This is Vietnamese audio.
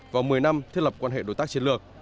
và một mươi năm thiết lập quan hệ đối tác chiến lược